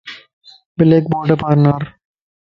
بليڪ بورڊ پار نار.